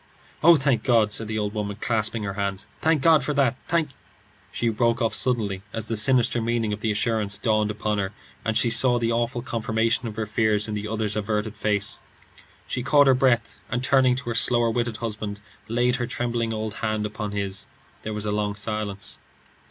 "Oh, thank God!" said the old woman, clasping her hands. "Thank God for that! Thank " She broke off suddenly as the sinister meaning of the assurance dawned upon her and she saw the awful confirmation of her fears in the other's averted face. She caught her breath, and turning to her slower witted husband, laid her trembling old hand upon his. There was a long silence.